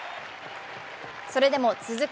それでも続く